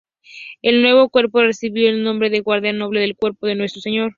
El nuevo cuerpo recibió el nombre de "Guardia Noble del Cuerpo de Nuestro Señor".